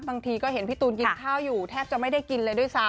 บางทีก็เห็นพี่ตูนกินข้าวอยู่แทบจะไม่ได้กินเลยด้วยซ้ำ